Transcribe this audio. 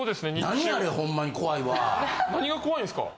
何が怖いんですか？